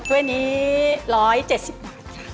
ตู้ยนนี้๑๗๐บาท